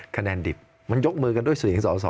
คะแนนดิบมันยกมือกันด้วยเสียงสอสอ